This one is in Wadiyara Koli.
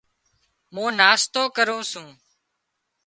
مُون ناشتو ڪرُون سُون۔